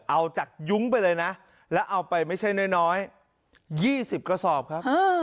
เอาจากยุ้งไปเลยนะแล้วเอาไปไม่ใช่น้อย๒๐กระสอบครับ